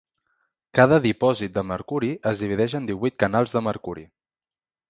Cada dipòsit de mercuri es divideix en divuit canals de mercuri.